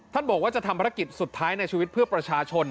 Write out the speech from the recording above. บอกว่าจะทำภารกิจสุดท้ายในชีวิตเพื่อประชาชน